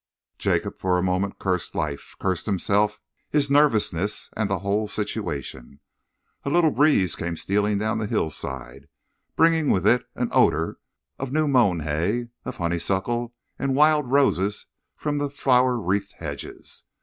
Jacob for a moment cursed life, cursed himself, his nervousness, and the whole situation. A little breeze came stealing down the hillside, bringing with it an odour of new mown hay, of honeysuckle and wild roses from the flower wreathed hedges.